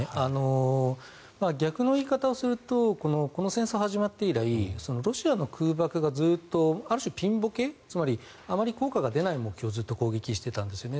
逆の言い方をするとこの戦争が始まって以来ロシアの空爆がずっとある種ピンボケつまりあまり効果が出ない目標をずっと攻撃していたんですね。